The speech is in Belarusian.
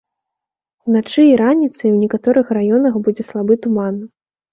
Уначы і раніцай у некаторых раёнах будзе слабы туман.